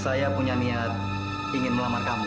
saya punya niat ingin melamar kamu